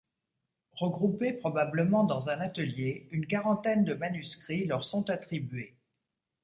Regroupés probablement dans un atelier, une quarantaine de manuscrits leur sont attribués.